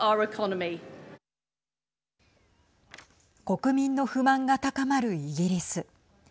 国民の不満が高まるイギリス。